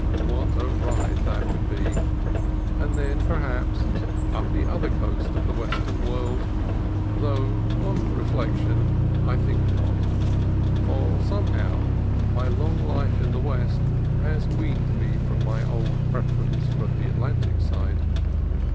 What a ride that would be! And then, perhaps, up the other coast of the Western world :— though, on reflection, I think not; for, somehow, my long life in the West has weaned me from my old preference for the Atlantic side.